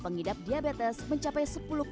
pengidap diabetes mencapai